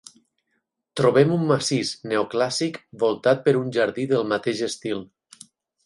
Trobem un massís neoclàssic voltat per un jardí del mateix estil.